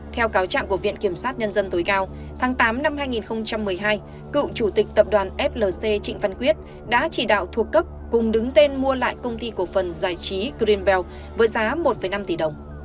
theo cáo trạng của viện kiểm sát nhân dân tối cao tháng tám năm hai nghìn một mươi hai cựu chủ tịch tập đoàn flc trịnh văn quyết đã chỉ đạo thuộc cấp cùng đứng tên mua lại công ty cổ phần giải trí green bell với giá một năm tỷ đồng